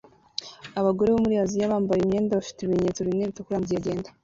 Abagore bo muri Aziya bambaye imyenda bafite ibimenyetso bine bitukura mugihe bagenda